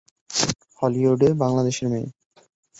হলিউডে বাংলাদেশের মেয়ে